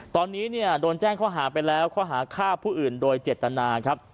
ตอนนี้เนี่ยโดนแจ้งข้อหาไปแล้วข้อหาฆ่าผู้อื่นโดยเจตนาครับ